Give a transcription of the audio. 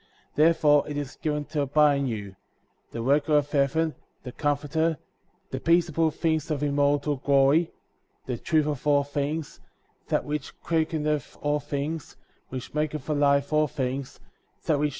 Therefore it is given to abide in you; the record of heaven; the Comforter ;<' the peaceable things of immortal glory; the truth of all things; that which quickeneth all things, which maketh alive all things; that which b, 4: 11.